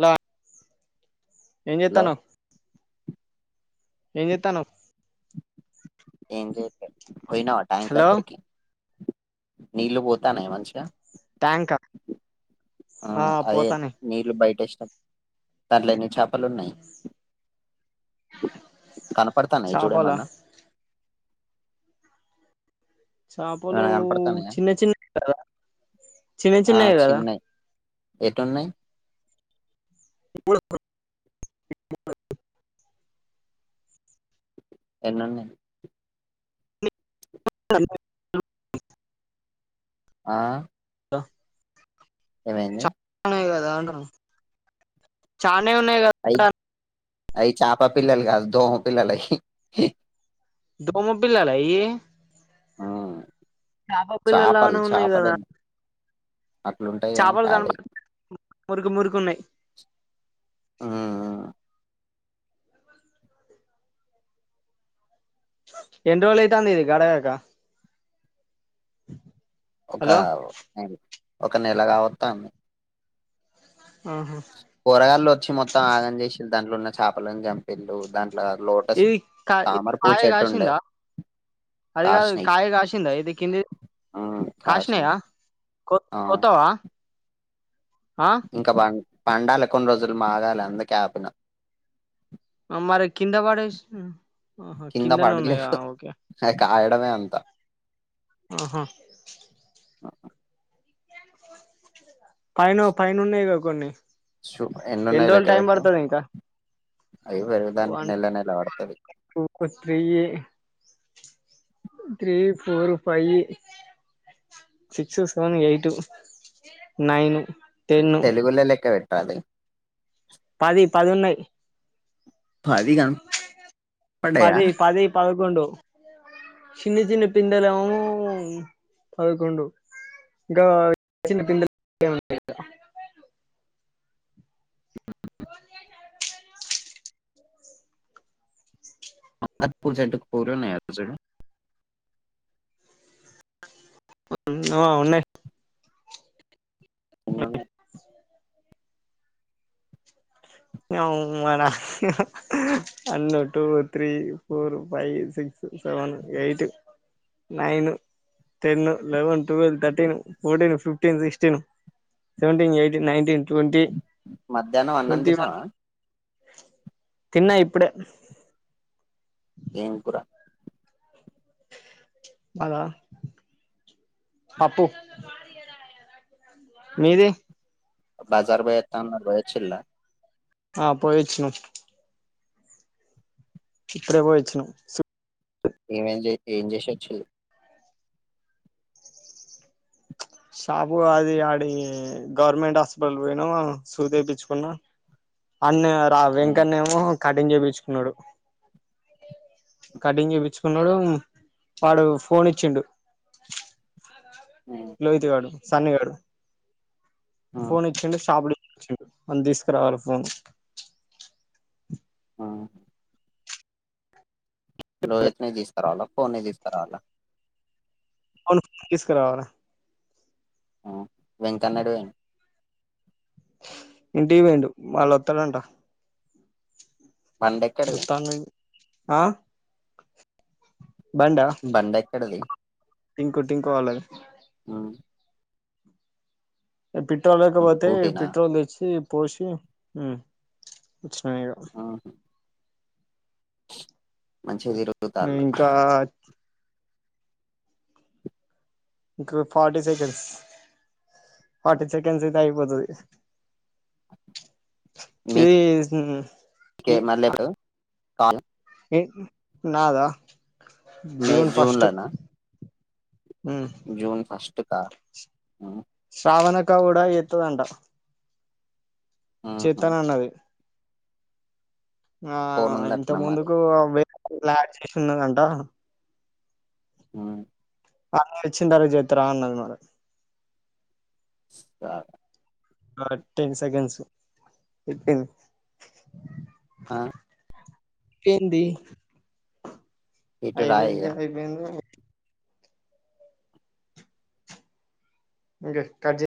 థా ఏం హలో చేస్తానవ్ ఏం చెతానవ్ ఏం చే పోయినవా టైంకు హలో దగరికి నీలు పోతనయ మంచిగా థ్యాంకా ఆ అదే నీళ్ళ బయట ఎస్ దట్లని చేపలున్నాయి కనపడతాను ఏ చాపలా చూడేమన్నా చేపలు ఏమైనా కనపడతాన్నాయా చిన్న చిన్న కదా చిన్న చిన్నవి కదా ఏటున్నా ఇ ఎన్నన్న ఆహ్ హలో ఏమైంది కదా చ న్ని ఉనయ్ డ అయ్ చాపపిల్లలు కాదు, దోమపిల్లలు అయ్ దోమపిల్లాల ఈ ఆ చేపలు పిల్లలానే ఉన్నాయి కదా చేపలేం అట్లుంటాయి ఏని చేపలు కాదయ్. కనపడ మురికి మురికి ఉన్నాయి హు ఎంన్న్ రోలైతాంది. ఇది గడగాకా ఒక ఐన్ ఒక నెల కావత్తాంది. ఆహు చ్చి మొత్తం ఆగం చేసి దాంట్లోన్న చేపలను చంపింల్లు. ఇది కా ఇది కాయ చెట్టు ఉండే గాసింద, అదిగాదు కాసినయి కాయ గాసింద ఇది కిందిది ఉమ్ కాష్నాయ కాసినయి కొ ఆ కొత్తవా ఆ ఇంకా బాన్ పండాలి కొన్ని రోజులు మాగాలి అందుకే ఆపిన మరి కింద పడేసిం న్ ఆహా కింద కిందన ఉన్నాయ, పడలేవు ఓకే అవి కాయడమే అంతా ఆహా పైనవ్ పైన ఉన్నయి గ కొన్ని చూ ఎండోళ్ళ్ టైమ్ బర్తది ఇంకా అయ్యో పెరుగుదానికి వన్ నేలనేల వడ్తది. Two three three, four, five, six, seven, eight, nine తెలుగులో లెక్క పెట్ అది పది పదిన్నయ్. ఫది కాన్ పదే, పదే, పద కొండు చిన్ని చిన్న పిందలెమో పదకొండు ఇంకా చిన్న పిలు ఇక మహ పూజట్కు పుల్లున్నయ చుడు నో ఉన్నాయి. ఉన్న నవ్ మన one, two, three, four, five, six, seven, eight, nine, ten, eleven, twelve, thirteen, fourteen, fifteen, sixteen, seventeen, eighteen, nineteen, twenty. మధ్యానం అన్నం దిన్నవా తిన్నా ఇప్పుడే ఎం కూర మద, పప్పు మీది బజారు పోయత్త అన్నారు, వొయచ్చల్ల ఆ పోయిచ్చినం ఇప్పుడే పోయి వచ్చినం ఏమ్ ఏమ్ జె ఏమ్ జేసివాచిల్లు షాపు అది ఆడి గవర్నమెంట్ హాస్పిటల్ పోయినాము సూది వెపిచుకున్నాము అన్ని ఆ ఉమ్ వెంకనేమో కటింగ్ చేపించుకున్నాడు కటింగ్ చేపించుకున్నాడు వాడు ఫోన్ ఇచ్చిండు లోహిత్ గాడు సన్నీ గాడు ఫోన్ ఇచ్చడు సాపడి చెప్పు అని తీసుకురావాలి ఫోన్ ఆ లోహిత్ ని తీసుకురవాలా ఫోన్ ని తీసుకురవాలా అవును తీసుకురావలే ఆ వెంకన్న ఏటు వెయిండు ఇంటికి వెయిండు మళ్ళ ఒత్తడంట బండి ఇక్కడది ఆ బండా బండి ఎక్కడిది టింకు టింకు వాళ్ళది ఇగ పెట్రోల్ లేకపోతే స్కూటీనా పెట్రోల్ తెచ్చి పోసి ఉ వచ్చిన నేగా మన్ చెయి రుద్దుతల్లు ఇంకా ఇంక ఫార్టీ సెకండ్స్ ఫార్టీ సెకండ్స్ అయితే అయిపోతుది ఇది ఇస్ ను ఇ హా కాను ఈ నాదా మే జూన్ లనా ఉ శ్రావణక్ అక్క కూడా ఎత్తదంట చేతనన్నది ఆ ఫోన్ ఇంత ఉందటనా మరి ముందుకు వె బ్లాక్ చేసి ఉన్నందంట ఆ అన్నయ్య వచ్చిన తర్వాత చేతర అన్నది మరి స్తా కరెక్ట్ టెన్ సెకన్స్ ఫిఫ్టీన్ ఆ ఏంది ఇటు రాయిగ అయిబింది అయిబింది ఇంకా కట్ చే